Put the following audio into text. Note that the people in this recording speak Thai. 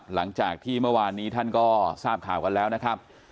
หลังจากที่เมื่อวานนี้ท่านก็ทราบข่าวกันแล้วนะครับ